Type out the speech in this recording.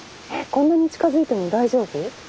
こんなに近づいても大丈夫？